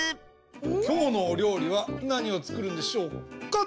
きょうのおりょうりはなにをつくるんでしょうか？